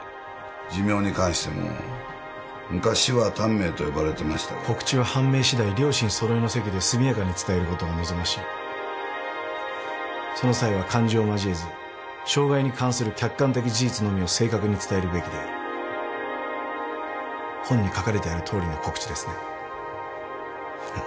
寿命に関しても昔は短命と呼ばれてましたが告知は判明次第両親そろいの席ですみやかに伝えることが望ましいその際は感情を交えず障害に関する客観的事実のみを正確に伝えるべきである本に書かれてあるとおりの告知ですね